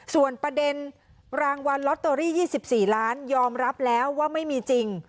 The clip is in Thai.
ส่วนประเด็นรางวัลลอตเตอรี่๒๔ล้านยอมรับแล้วว่าไม่มีจริง